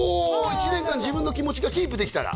１年間自分の気持ちがキープできたら？